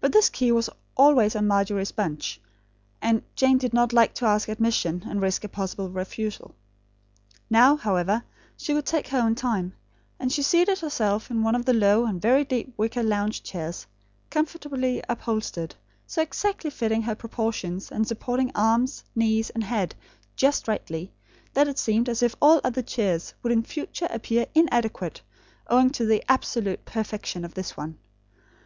But this key was always on Margery's bunch; and Jane did not like to ask admission, and risk a possible refusal. Now, however, she could take her own time; and she seated herself in one of the low and very deep wicker lounge chairs, comfortably upholstered; so exactly fitting her proportions, and supporting arms, knees, and head, just rightly, that it seemed as if all other chairs would in future appear inadequate, owing to the absolute perfection of this one.